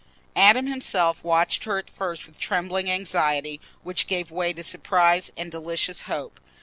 Adam himself watched her at first with trembling anxiety, which gave way to surprise and delicious hope.